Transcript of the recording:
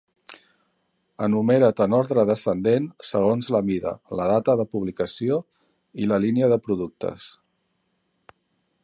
Enumerat en ordre descendent segons la mida, la data de publicació i la línia de productes.